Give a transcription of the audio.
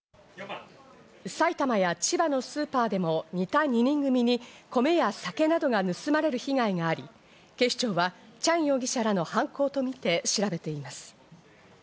埼玉や千葉のスーパーでも似た２人組に米や酒などが盗まれる被害があり、警視庁はチャン容疑者らの犯行とみて調べています。